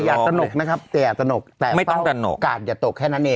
แต่อย่าตนกนะครับแต่อย่าตนกแต่เฝ้ากาศอย่าตกแค่นั้นเอง